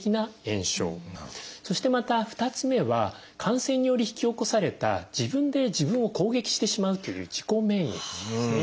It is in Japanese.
そしてまた２つ目は感染により引き起こされた自分で自分を攻撃してしまうという自己免疫ですね。